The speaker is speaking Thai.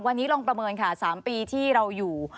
วันนี้ลองประเมินค่ะ๓ปีที่เราอยู่